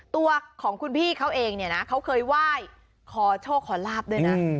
ตัวของคุณพี่เขาเองเนี่ยนะเขาเคยไหว้ขอโชคขอลาบด้วยนะ